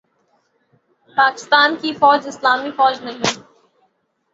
پاکستان کی فوج اسلامی فوج نہیں